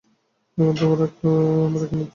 এখন তোমার আমার একই মৃত্যু।